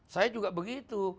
saya juga begitu